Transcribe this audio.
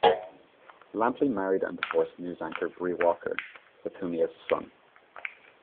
Lampley married and divorced news anchor Bree Walker, with whom he has a son.